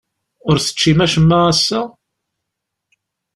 Ur teččim acemma ass-a?